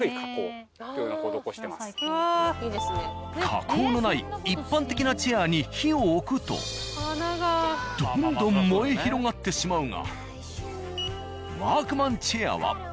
加工のない一般的なチェアに火を置くとどんどん燃え広がってしまうがワークマンチェアは。